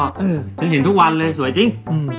ฉันเห็นทุกวันเลยสวยจริง